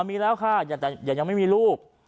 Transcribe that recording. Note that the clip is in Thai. มีแล้วค่ะอย่ายังไม่มีลูก